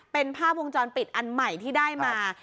เป็นภาพวงจรปิดอันใหม่ที่ได้มา